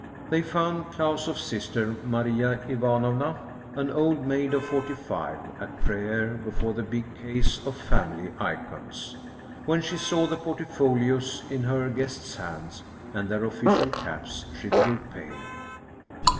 They found Klausoff's sister, Maria Ivanovna, an old maid of forty five, at prayer before the big case of family icons. When she saw the portfolios in her guests' hands, and their offi cial caps, she grew pale.